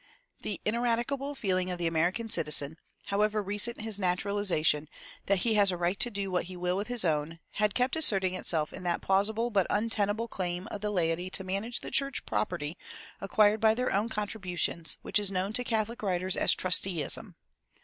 The ineradicable feeling of the American citizen however recent his naturalization that he has a right to do what he will with his own, had kept asserting itself in that plausible but untenable claim of the laity to manage the church property acquired by their own contributions, which is known to Catholic writers as "trusteeism."